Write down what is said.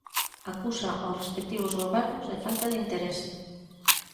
Acusa os respectivos Gobernos de falta de interese.